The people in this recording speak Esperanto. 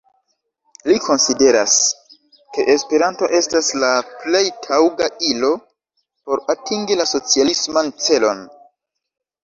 Li konsideras, ke Esperanto estas la plej taŭga ilo por atingi la socialisman celon.